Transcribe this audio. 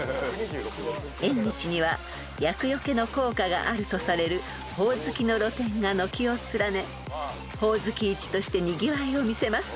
［縁日には厄よけの効果があるとされるほおずきの露店が軒を連ねほおずき市としてにぎわいを見せます］